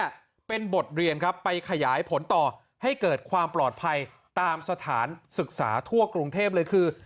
เนี่ยเป็นบทเรียนครับไปขยายผลต่อให้เกิดความปลอดภัยตามสถานศึกษาทั่วกรุงเทพเลยคือ